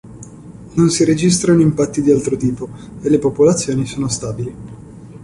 Non si registrano impatti di altro tipo e le popolazioni sono stabili.